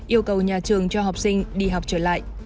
yêu cầu nhà trường cho học sinh đi học trở lại